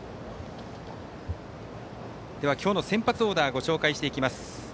今日の先発オーダーをご紹介していきます。